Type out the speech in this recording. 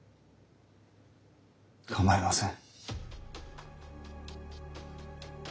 構いません。